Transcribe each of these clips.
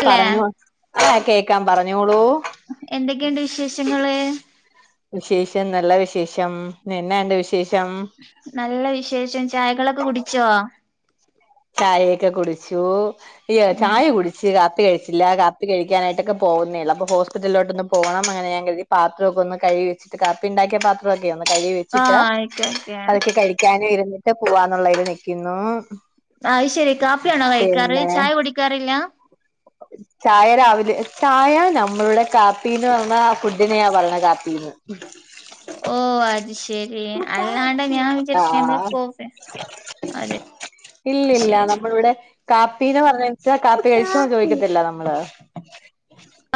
അല്ലെ പറഞ്ഞോ ആ കേക്കാം പറഞ്ഞോളൂ. എന്തൊക്കെയൊണ്ട് വിശേഷങ്ങള്? വിശേഷം നല്ല വിശേഷം ഇന്ന്ന്നാണ്ട് വിശേഷം നല്ല വിശേഷം ചായകളൊക്കെ കുടിച്ചോ? ചായയൊക്കെ കുടിച്ചു യ്യോ ഉം ചായ കുടി ച്ച് കാപ്പി കഴിച്ചില്ല. കാപ്പി കഴിക്കാനൊക്കെ ആയിട്ട് പോവുന്നേഒള്ള്. അപ്പോ ഹോസ്പിറ്റലിലോട്ട്ന്ന് പോണം. അങ്ങനെ ഞാൻകര്തി പാത്രഒക്കെ ഒന്ന് കഴുകി വെച്ചിട്ട്. കാപ്പിണ്ടാക്കിയ പാത്രംക്കെ ഒന്ന് കഴു ചിട്ടാ ആഹ് ഓക്കെ ഓക്കെ പതുക്കെ കഴിക്കാനും ഇരുന്നിട്ട് പോവാന്നൊള്ളയിതില് നിക്കുന്നു. ആഹ് ശെരി കാപ്പിയാണോ കഴിക്കാറ് പിന്നെ ചായ കുടിക്കാറില്ല ചായ രാവിലെ ചായ നമ്മളുടെ കാപ്പിന്ന് പറഞ്ഞ ഫു ഇതിനെയാ പറഞ്ഞണെ കാപ്പീന്ന്. ഓ അത് ശെരി. അല്ലാണ്ട് ഞാൻ വിചാരിച്ചു ഞമ്മളെ ആഹ് കോഫി അതെ ഇല്ലില്ല ശരി നമ്മളിവ്ടെ കാപ്പീന്ന് പറഞ്ഞച്ചാ കാപ്പി കഴിചച്ചോന്ന് ചോദിക്കത്തില്ലെ നമ്മള്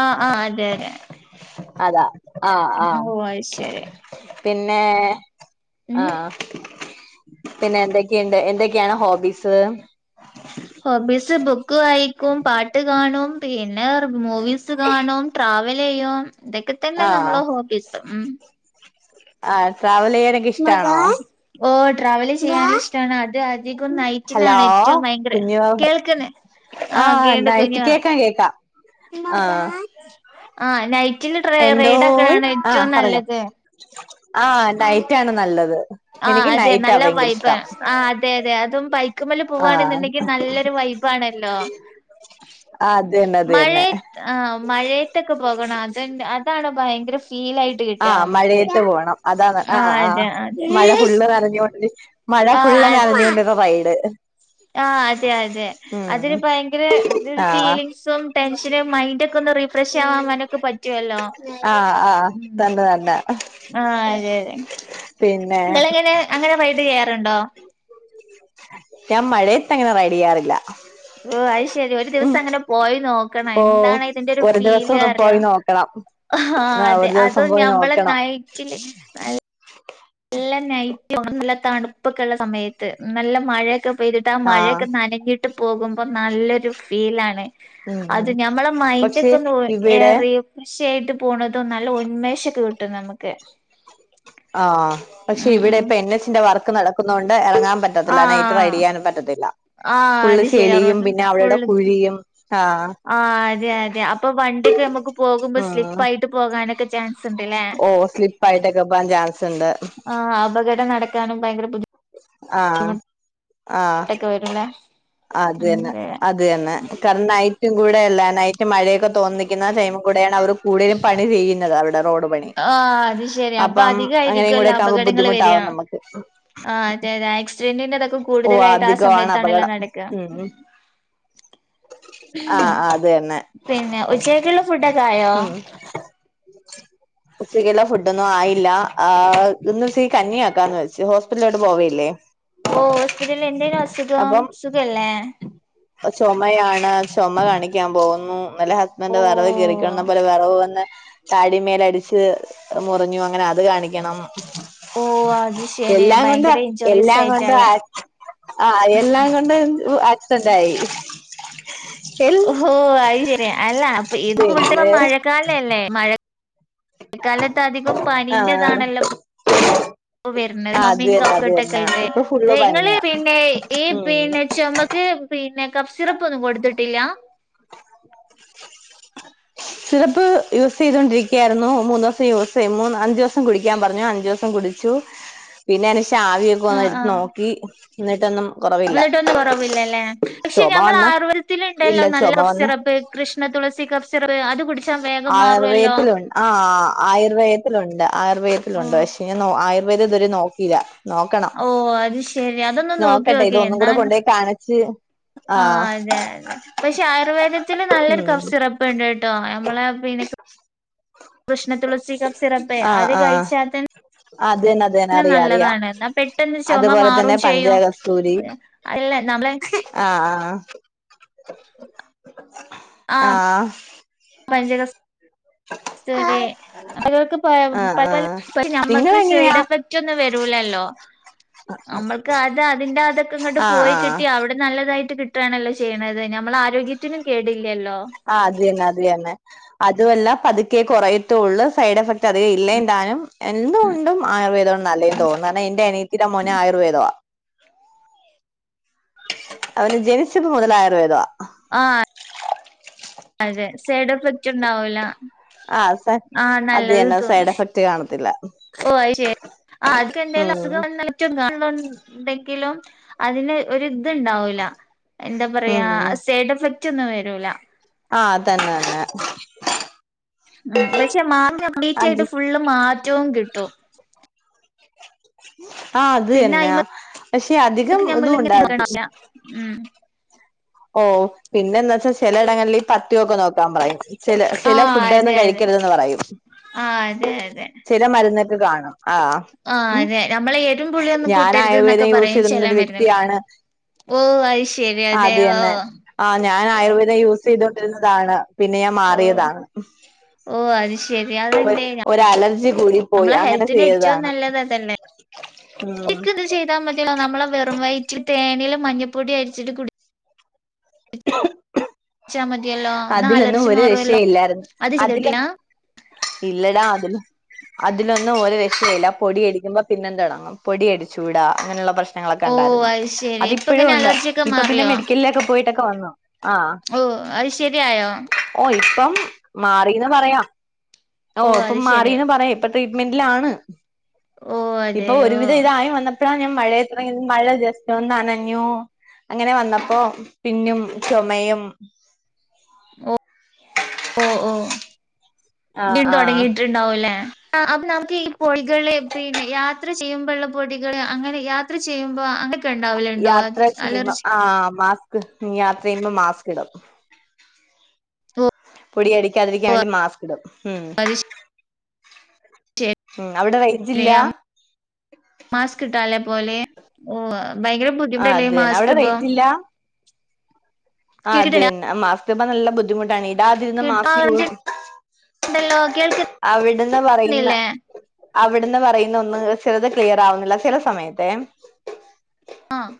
ആഹ് ആഹ് അതെ അതെ. അതാ ആഹ ആഹ ഓ അത് ശരി പിന്നെ. ഉം ആഹ പിന്നെ എന്തൊക്കെയുണ്ട്. എന്തൊക്കെയാണ് ഹോബീസ്. [inaudible] ഹോബീസ് ബുക്ക് വായിക്കും, പാട്ട് കാണും, പിന്നെ മൂവീസ് കാണും, ട്രാവലെയ്യും. ഇതൊക്കെ തന്നെ ആഹ് നമ്മള ഹോബീസ്. ഉം ആ ട്രാവല് ചെയ്യാല് ഓ ട്രാവല് ചെയ്യാന് ഇഷ്ടാണ് അത് അധികം നൈ ഹലോ [unintelligible] ഏറ്റവും ഭയങ്കര കുഞ്ഞു കേൾക്കുന്ന ആഹ് കേണ്ട് കുഞ്ഞു [unintelligible] കേക്കാം. ആഹ് ആ നൈറ്റില് ട്ര റയ്ഡ് എന്തോയ് ഒക്കെയാണ് ആഹ് ഏറ്റവും പറഞ്ഞോ നല്ലത്. ആഹ് നൈറ്റ് ആണ് നല്ലത്. ആഹ് എനിക്ക് അതെ നൈറ്റാ നല്ല ഭയങ്കര വൈബ ഇഷ്ടം ആഹ് അതെ അതെ അതും ബൈക്കുമല് ആഹ് പോവാണെന്നുണ്ടെങ്കിൽ നല്ലൊരു വൈബ് പ്പണല്ലോ ആഹ് അത് തന്നെ അത് മഴ തന്നെ ആഹ് മഴയത്തൊക്കെ പോകണം അതാണ് ഭയങ്കര ഫീൽ ആയിട്ട് കിട്ട ആഹ് നമക്ക് മഴയത്ത് പോണം അതാണ് ആഹ് അതെ മഴ ഫുള്ള് നിറഞ്ഞുണ്ടി മഴ ഫുള്ള് ആ നിറഞ്ഞോണ്ടിന്ന സൈഡ് ആഹ് അതെ അതെ അതൊര് ഭയങ്കര ആഹ് ഫീലിങ്സും ടെൻഷനു മൈൻഡൊക്കെ ഒന്ന് റീഫ്രഷ് ആവാൻ ക്ക് പറ്റുവല്ലോ ആഹ് ആഹ് തന്നെ തന്നെ ആഹ് അതെ അതെ പിന്നെ ങ്ങള് അങ്ങനെ റൈടെയാറുണ്ടോ? ഞാൻ മഴയത്തങ്ങനെ റൈഡ് ചെയ്യാറില്ല ഓ അത്ശരി ഒരു ഉം ദിവസം അങ്ങനെ പോയി നോക്കണം ഓഹ് എന്താണ് ഇതിന്റെരു ഒരു ദിവസം ഫീല് ഒന്ന് അറിയോ പോയി നോക്കണം ആഹ് അതെ ഒരു ദിവസം അതും പോയി ഞമ്മളെ നോക്കണം നയിറ്റില് നല്ല നൈറ്റ് നല്ല തണുപ്പൊക്കെ ഇള്ള സമയത്ത് നല്ല മഴയൊക്കെ പെതിട്ട് ആഹ് മഴയൊക്കെ നനഞ്ഞിട്ട് പോകുമ്പോ നല്ലൊരു ഫീലാണ് ഉം അത് ഉം ഞമ്മളെ മൈന്റ് പക്ഷെ ഒക്കെ ഒന്ന് ഇവിടെ ഏറെ കൃഷയായിട്ട് പോണതോ നല്ല ഉന്മേഷൊക്കെ കിട്ടും നമുക്ക് ആഹ. പക്ഷെ ഉം ഇവിടെ ഉം ഇപ്പൊ എൻ എച്ചിന്റെ വർക്ക് നടക്കുന്ന കൊണ്ട് ഇറങ്ങാൻ പറ്റ പറ്റത്തില്ല നൈറ്റ് ആഹ് റൈഡെയ്യാനും പറ്റത്തില്ല ആഹ് ഫള്ള് അത് ശരിയാ ചെളിയും പിന്നെ റോഡ് അവിടെ ഫുള്ള് കുഴിയും ആഹ് ആഹ് അതെ അതെ അപ്പൊ വണ്ടിയൊക്കെ നമുക്ക് പോകുമ്പോ ആഹ് സ്ലിപ്പായിട്ട് പോകാനൊക്കെ ചാൻസ് ഉണ്ട്ല്ലേ ഓ സ്ലിപ്പയിട്ടൊക്കെ പോകാൻ ചാൻസ് ഇണ്ട് ആഹ് അപകടം നടക്കാനും ഭയങ്കര ബുദ്ധി ആഹ് ആഹ് ട്ടക്കെ വരുംല്ലേ അത് ഉം ന്നെ അതെ അത് ന്നെ കാരണം നൈറ്റും കൂടെയല്ല നൈറ്റ് മഴയൊക്കെ തോന്നിക്കുന്ന ടൈമും കൂടെയാണ് അവർ കൂടുതലും പണി ചെയെയ്യുന്നത് അവിര്ടെ റോഡ് പണി ആഹ് അത് ശരി അപ്പൊ അപ്പം അങ്ങനെയും അധികായിരിക്കുവല്ലോ കൂടെക്കെ ആ കുമ്പോ അപകടങ്ങള് ബുദ്ധിമുട്ടാവും വരിക നമക്ക് ആഹ് അതെ ആക്സിഡന്റിന്റെതൊക്കെ ഓ കൂടുതലായിട്ട് ആഹ് അധികമാണ് സമയത്താണെല്ലോ അപകടം നടക്കുക ഉം ആഹ് അത് തന്നെ പിന്നെ ഉച്ചക്കക്ക്ള്ള ഫുഡൊക്കെ ആയോ ഉ [unintelligible] ഉച്ചരില്ല ഫുഡൊന്നും ആയില്ല ആഹ് ഒന്ന് സീ കന്നിയ ആക്കാന്ന് വെച്ച് ഹോസ്പിറ്റലിലോട്ട് പോവേല്ലേ ഓ ഹോസ്പിറ്റലിൽ എന്തേനു അസുഖം അപ്പം സുഖല്ലേ ചുമയാണ് ചുമ കാണിക്കാൻ പോകുന്നു നല്ലെ ഹസ്ബൻഡ് ഓ വറവ് കേറിക്കണ പോലെ വറവ് വന്ന് താടിമേലടിച്ച് മുറിഞ്ഞു അങ്ങനെ അത് കാണിക്കണം ഓ അത് ശെരി എല്ലാം കൊണ്ട് ഭയങ്കര ഇഞ്ചുറീസ് എല്ലാം ആയിട്ടല്ലേ എല്ല കൊണ്ടും [unintelligible] ഓ അയ്‌ ശരി അല്ല അപ്പൊ ഇത് [unintelligible] പിന്നെ മഴ ക്കാലല്ലേ മഴ ക്കാലത്തധികം ആഹ് ആഹ് പനീൻ്റെതാണല്ലോ വര മമ്മീ അത് തന്നെ അത് കഫേർട്ടൊക്കെ തന്നെ ആയിട്ട് ഇപ്പൊ ഫുള്ള് ങ്ങള് പനിയാ പിന്നെ ഈ ഉം പിന്നെ ചുമ ക്ക് പിന്നെ കപ് സിറപ്പന്നും കൊടുത്തിട്ടില്ല? സിറപ്പ് യൂസ് ചെയ്തുകണ്ടിരിക്കയായിരുന്നു മൂന്ന് ദിവസം യൂസ് അഞ്ചു ദിവസം കുടിക്കാൻ പറഞ്ഞു അഞ്ചു ദിവസം കുടി പിന്നെ ആവിയൊക്കെ എടു നോക്കി എന്നിട്ടന്നു കുറ ന്നിട്ടൊന്നും കുറവില്ലല്ലേ പക്ഷെ ഞമ്മൾ വന്ന ആയുർവേ ഇല്ല തത്തില്ണ്ടല്ലോ നല്ല ചൊമ കപ് വന്ന സിറപ്പ് കൃഷ്ണ തുളസി കപ് സിറപ് അത് കുടിച്ചാ വേഗം മാറുവല്ലോ ആഹ് ആയുർവേദത്തിലുണ്ട് ആയുർവേദത്തിലുണ്ട് ആഹ് പക്ഷേ ആയുർവേദ ഇതുവരെ നോക്കിയില്ല നോക്കണം ഓഹ് അത് ശെരി അതൊന്ന് നോക്കട്ടെ നോക്കിയോക്കി ഇതൊന്നും എന്നാ കൂടെ കൊണ്ടോയി കാണിച്ച് ആഹ് അതെ അതെ പക്ഷെ ആയുർവേദത്തിൽ നല്ലൊരു ഉം കഫ്സിറ ണ്ട്ട്ടോ നമ്മളെ പിന്നെ കൃഷ്ണ തുളസി സിറപ്പേ ആഹ് അത് ആഹ് കഴിച്ചാ തന്നെ അത് ന്നെ അത് തേനാ റിയ അറിയാ. നല്ലതാണ് എന്നാ പെട്ടെന്ന് ചൊമ അതുപോലെ മാറും തന്നെ പഞ്ചക ചെയ്യും കസ്തൂരി. അല്ല നമ്മളെ ആ ആഹ് ആഹ്. [unintelligible] [unintelligible] ആഹ് ആഹ് ആഹ് നമ്മക്ക് നിങ്ങളെങ്ങനെയാ സൈഡ് എഫക്ട് ക്കൊന്നും വരൂലല്ലോ. നമ്മൾക്ക് അത് അതിന്റെ അതൊക്കെ ഇങ്ങട്ട് ആഹ് പോയി ആഹ് കിട്ടി അവിടെ നല്ലതായിട്ട് കി റ്റാണല്ലോ ചെയ്യണത്. ഞമ്മള ആരോഗ്യത്തിനു കേടില്ലല്ലോ. ആഹ് അതേന്നെ അതേന്നെ. അതുല്ലാ പതുക്കെ കുറയത്തുള്ളൂ. സൈഡ് എഫക്ട് അധികം ഇല്ലേ ന്താനും. എന്തുകൊണ്ടും ആയുർവേദം നല്ലേന്ന് തോന്ന് കാരണം എന്റെ അനീത്തിന്റെ മോനെ ആയുർവേദ അവന് ജനിച്ചപ്പോ മുതൽ ആയുർവേദ ആഹ് അതെ സൈഡ് എഫക്റ്റ് ഇണ്ടാവൂല ആ അതന്നെ സൈഡ് എഫക്ട് കാണത്തില്ല. ഓ ശരി ആ അതക്കെന്താലും ഉം അസുഖം വന്ന ണ്ടെങ്കിലും അതിന് ഒരു ഇതുണ്ടാവില്ല. എന്താ പറയാ ഉം സൈഡ് എഫക്റ്റ് ഒന്നും വരൂല. ആ അതന്നെ ന്നെ. പക്ഷെ മാ കംപ്ലീറ്റ് അത് ആയിട്ട് ഫുള്ള് മാറ്റവും കിട്ടും. ആ അത് പിന്നെ തന്ന. അയിമക്ക് പക്ഷെ അധികം ഇത് ഉണ്ടാ ഞമ്മളിങ്ങനെ ഉം ഓ പിന്നെന്താച്ചാ ചിലയിടങ്ങളില് ഈ പത്യൊക്കെ നോക്കാൻ പറയും. ചെല ചെല ആഹ് ഫുഡൊന്നും അതെ അതെ കഴിക്കരുതെന്ന് പറയും. ആഹ് അതെ മരുന്നൊക്കെ കാണും ആ ആ ഉം അതെ നമ്മളെ എരുപുളിയൊന്നും ഞാൻ കൂട്ടരുത് ന്നൊക്കെ ആയുർവേദം യൂസ് പറയ ചെയ്തിരുന്ന ചെല ഒരു മരുന്ന വ്യക്തിയാണ് ഓ അയ്ശരി അ അത് തന്നെ ആ ഞാൻ ആയുർവേദം യൂസ് ചെയ്തോണ്ടിരുന്നതാണ് പിന്നെ ഞാൻ ഓ മാറിയതാ ഓ അത് ശരി അതെന്തേ ഒരലർജി കൂടി പോയി നമ്മളെ അങ്ങനെ ഹെൽത്തിന് ഏറ്റവും ചെയ്താണ് നല്ലത് ആഹ് ചെയ്താ മതിലൊ നമ്മള് വെറും വയറ്റിൽ തേനില് മഞ്ഞപ്പൊടി അരിച്ചിട്ട് കുടി ച്ചാ മതിയല്ലോ എന്നാ അതിലൊന്നും അലർജി ഒരു രക്ഷ മാറുവല്ലോ ഇല്ലായിരുന്നു. അത് അതില് ചെയ്തിട്ടില്ല ഇല്ലടാ അതില്, അതിലൊന്നും ഒരു രക്ഷയില്ല. പൊടിയടിക്ക് മ്പോ പിന്നെ തുടങ്ങും. പൊടിയടിച്ചൂടാ അങ്ങനെയുള്ള പ്രശ് ഓ ങ്ങളൊക്കെണ്ടായിരുന്നു അത് ശരി ഇപ്പൊ അതിപ്പോഴും ഇങ്ങനെ ഉണ്ട് അലർജിയൊക്കെ ഇപ്പൊ പിന്നെ മാറിയോ മെഡിക്കലിലൊക്കെ പോയിട്ടൊക്കെ വന്നു ആ ഓ അയ് ശരിയായോ ഓ ഇപ്പം മാറീന്ന് പറയാ ഓ അത് ഇപ്പം ശരി മാറീന്ന് പറയും ഇപ്പൊ ട്രീറ്റ്മെന്റിലാണ് ഓ ഇപ്പൊ അതെയോ ഒരുവിധം ഇതായവന്ന [unintelligible] മഴ ജസ്റ്റ് ഒന്ന് നനഞ്ഞു അങ്ങനെ വന്നപ്പോ പിന്നും ചൊമയും ഓ ഓ ഓ വീ ആഹ് ആഹ് തുടങ്ങിയി ണ്ടാവല്ലേ. അപ്പൊ നമുക്ക് ഈ പൊടികള്, പിന്നെ യാത്ര ചെയ്യുമ്പോള്ള പൊടികള് അങ്ങനെ യാ ചെയ്പോ അ യാത്ര ക്ഷീണം ആ മാസ്ക് യാത്രയ്യുമ്പോ മാസ്ക് ഇടും. ഓ പൊടി അടിക്കാതിരിക്കാൻ വേണ്ടി മാസ്ക് ഇടും. ഉം. അത് ഉം അവിടെ റേഞ്ചില്ല [unintelligible] മാസ്ക് ഇട്ടാലെ പോലെ ഓ ഭയങ്കര ആഹ് ബുദ്ധിമുട്ടല്ലേ അത് തന്നെ മാസ്ക് അവിടെ ഇടുമ്പോ? ആ കേട്ടിട്ടില്ല അതന്നെ മാസത്ത്പ്പം നല്ല ബുദ്ധിമുട്ടാണെ ഇടാതിരുന്ന് ഓറഞ്ച് [unintelligible] ഉണ്ടല്ലോ അവിട്ന്ന് പറയുന്നെ കേൾക്കുന്നില്ലേ അവിട്ന്ന് പറയുന്ന ഒന്ന് ചെറുത് ക്ലിയർ ആവുന്നില്ല ചില സമയത്തെ ആഹ്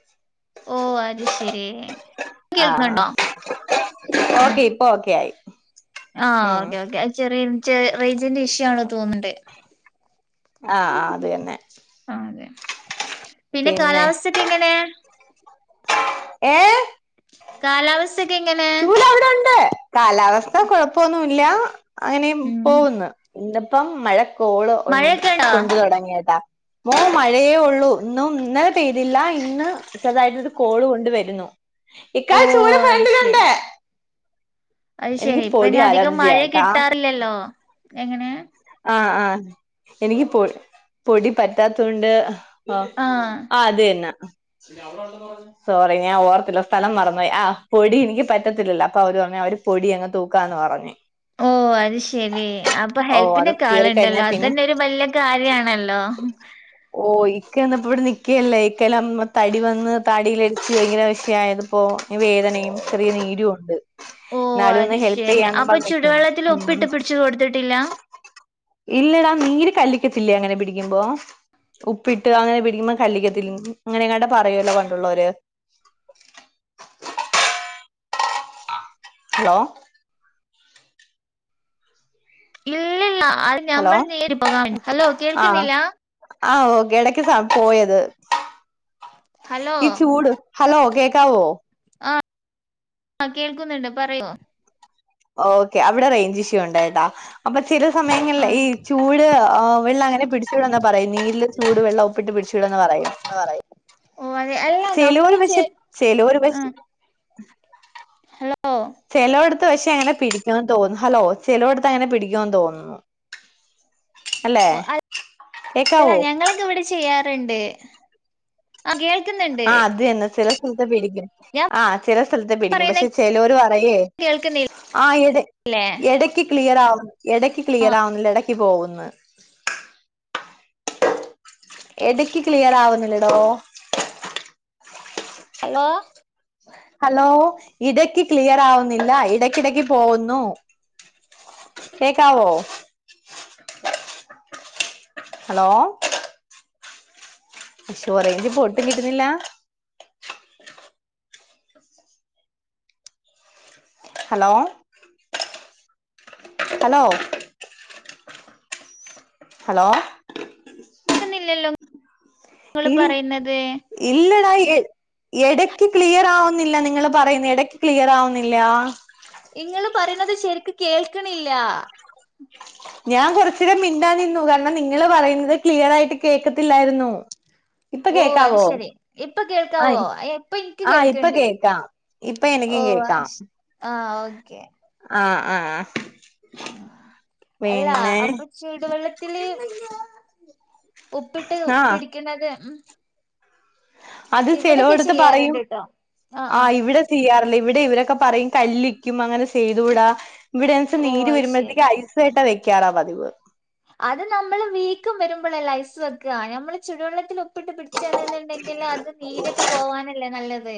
ഓ അത് ശരി ആഹ് കേൾക്ക്ണ്ടോ ഓക്കെ ഇപ്പൊ ഓക്കെ ആയി ആ ഉം ഓക്കെ ഓക്കെ ചെറിയെ റൈഞ്ചിന്റെ ഇഷ്യ ആണ് തോന്ന്ണ്ട് ആഹ് ഉം ആഹ് അത് തന്നെ ആ അതെ പിന്നെ കാലാവസ്ഥക്കെ എങ്ങനെ ഏഹ് കാലാവസ്ഥക്കെ എങ്ങനെ ചൂലവ്ടണ്ട് കാലാവസ്ഥ കുഴപ്പൊന്നുല്ല അങ്ങനെ ഉം പോകുന്നു ഇന്ന്പ്പം മഴ കോള് മഴയൊക്കെ ഉണ്ടോ കൊണ്ടു തുടങ്ങിയത ഓ മഴയേ ഒള്ളൂ ഇന്നും ഇന്നലെ പെയ്തില്ല ഇന്ന് ചെറുതായിട്ട് ഒരു കോള് കൊണ്ട് വരുന്നു ഇക്കാ ഓ ചൂട് ഫ്രണ്ടിലുണ്ട് അയ്‌ എനിക്ക് ശെരി പൊടി ഇപ്പഞ് അധികം അലർജിയ മഴ ട്ടാ കിട്ടാറില്ലല്ലോ എങ്ങനെ ആഹ് ആഹ് എനിക്ക് പൊ പൊടി പറ്റാത്ത കൊണ്ട് ആഹ് ആ അതന്നെ സോറി ഞാൻ ഓർത്തില്ല സ്ഥലം മറന്ന് പോയി ആ പൊടി എനിക്ക് പറ്റത്തില്ലല്ലോ അപ്പൊ അവര് പറഞ്ഞു അവര് പൊടിയങ്ങ് തൂക്കാന്ന് പറഞ് ഓ അത് ശരി അപ്പൊ ഓ അത് ഹെൽപ്പിനൊ കേറി കഴിഞ്ഞാ ക്കാളുണ്ടല്ലോ പിന്നെ അതന്നെ ഒരു വല്യ കാര്യാണല്ലോ ഓ ഇക്കന്ന് ഇപ്പൊ ഇവിടെ നിക്കല്ലേ ഇക്കെല്ലാം തടി വന്ന് താടിലിടിച്ച് ഭയങ്കര വിഷയായത് ഇപ്പൊ ഓ വേദനയും ചെറിയ നീരുണ്ട് ഓ ന്നാലും ഒന്ന് അത് ഹെൽപ് ശരി ചെയ്യാന്ന് അപ്പൊ പറഞ് നിക്കാണ് ചുടുവെള്ളത്തിൽ ഉപ്പിട്ട് പിടിച്ചു കൊടുത്തിട്ടില്ല ഇല്ലടാ നീര് കല്ലിക്കത്തില്ലേ അങ്ങനെ പിടിക്കുമ്പോ ഉപ്പിട്ട് അങ്ങനെ പിടിക്കുമ്പോ കല്ലിക്കത്തി അങ്ങനെങ്ങാണ്ടോ പറയൊല്ലോ പണ്ടുള്ളോര് ഹലോ ഇല്ലില്ല അത് ഹലോ ഞമ്മൾ നീര് പോകാൻ ഹലോ ആ കേൾക്കുന്നില്ല ആ ഓ ഇടക്ക് സൗ പോയത് ഹലോ ഈ ചൂട് ഹലോ കേക്കാവോ ആ കേൾക്കുന്നുണ്ട് പറയോ ഓക്കെ അവിടെ റൈഞ്ച് ഇഷ്യു ഉണ്ട്ട്ടോ അപ്പൊ ചില സമയങ്ങളില് ആഹ് ഈ ചൂട് വെള്ളം അങ്ങനെ പിടിച്ചുടന്നാ പറയുന്നെ നീര് ചൂട് വെള്ളം ഉപ്പിട്ട് പിടിച്ചുടന്ന് പറയും ഓ അതെ അല്ലാ ചെലോര് നമ്മള് ചേ പക്ഷെ ചെലോര് ആ പക്ഷെ ഹലോ ചെലോട്ത്ത് പക്ഷേ അങ്ങനെ പിടിക്കുന്ന് തോന്നുന്നു ഹലോ ചെലോട്ത്ത് അങ്ങനെ പിടിക്കുന്ന് തോന്നുന്നു അല്ലെ അ അല്ല കേക്കാവോ ഞങ്ങളൊക്കെ ഇവിടെ ചെയ്യാറുണ്ട് ആ കേൾക്കുന്നുണ്ട് ആഹ് അതന്നെ ചെല സ്ഥലത്ത [unintelligible] ഞാൻ ആ ചില സ്ഥലത്ത് പിടിക്കും പറയുന്ന പക്ഷെ ചെലോര് പറയെ കേൾക്കുന്നില്ലേ ആ ഇട ഇടയ് ഇടയ്ക്ക് ക്ലിയർ ആവ് ഇടയ്ക്ക് ക്ലിയർ ആവുന്നില്ല ഇടയ്ക്ക് പോവ്ന്ന് എടക്ക് ക്ലിയർ ആവുന്നില്ലടോ ഹലോ ഹലോ ഇടക്ക് ക്ലിയർ ആവുന്നില്ല ഇടക്കിടക്ക് പോവുന്നു കേക്കാവോ ഹലോ റെയ്ഞ്ച് പ്പൊ ഒട്ടും കിട്ടുന്നില്ല ഹലോ ഹലോ ഹലോ കേൾക്കുന്നില്ലല്ലോ നിങ്ങള് ഇ പറയുന്നത് ഇല്ലടാ എട എടയ്ക്ക് ക്ലിയർ ആവുന്നില്ല നിങ്ങൾ പറയുന്നെ ഇടക്ക് ക്ലിയർ ആവുന്നില്ല ഇങ്ങൾ പറയണുന്നത് ശരിക്ക് കേൾക്കണില്ല ഞാൻ കൊറച്ചരം മിണ്ടാതെ നിന്നു കാരണം നിങ്ങള് പറയുന്നത് ക്ലിയർ ആയിട്ട് കേൾക്കത്തില്ലായിരുന്നു ഓ അത് ശരി ഇപ്പ ആ കേൾക്കാവോ അ ഇപ്പ ഇനിക്ക് ആ ഇപ്പൊ കേൾക്ക്‌ണ്ട് കേക്കാം ഇപ്പൊ എനിക്കും കേക്കാം ആഹ ഓക്കെ ആഹ ആഹ ആ ഉ അല്ല പിന്നെ അപ്പൊ ചൂടുവെള്ള ത്തില് ഉപ്പിട്ട് ആ പിടിക്ക്‌ണത് അത് ചെലോടുത്ത് പറയും ചെയ്യാറുണ്ട്ട്ടോ ആഹ് ആ ആഹ് ഇവിടെ ചെയ്യാറില്ല ഇവിടെ ഇവരൊക്കെ പറയും കല്ലിക്കും അങ്ങനെ ചെയ്തൂടാ ഇവിടെ വെച്ചൽ ഓ നീര് അത് വരുമ്പോഴത്തേക്ക് ശരി ഐസ കട്ട വെക്കാറാ പതിവ് അത് നമ്മള് വീക്കം വരുമ്പോഴെല്ലേ ഐസ് വെക്കുക നമ്മള് ചുടുവെള്ളത്തില് ഉപ്പിട്ട് പിടിച്ചണെന്നുണ്ടെങ്കിൽ അത് നീരൊക്കെ പോവാനല്ലേ നല്ലത്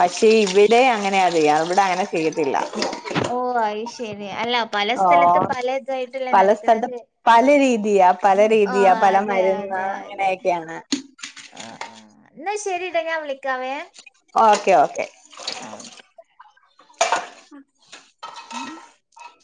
പക്ഷേ ഇവിടെ അങ്ങനെയ അറിയ ഇവിടെ അങ്ങനെ ചെയ്യത്തില്ല ഓ അയിശെരി അല്ല പല സ്ഥലത്തും ഓഹ് പല ഇതായിട്ടല്ലേ പല സ്ഥലത്തും നടക്കണത് പല രീതിയാ പല ആ രീതിയാ പല അതെ മരുന്ന് അതെ അതെ അങ്ങനെയൊക്കെയാണ് ആ ആ എന്നാ ശെരിട്ടാ ഞാൻ വിളിക്കാവേ ഓക്കെ ഓക്കെ ആ ഹം